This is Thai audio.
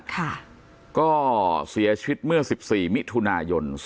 ค่ะก็เสียชีวิตเมื่อ๑๔มิถุนายน๒๕๖